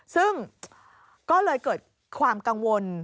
ซึ่งก็เลยเกิดความกังวล